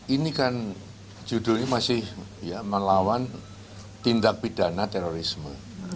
ini kan judulnya masih melawan tindak pidana terorisme